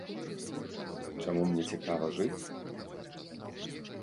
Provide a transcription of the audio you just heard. Чаму мне цікава жыць?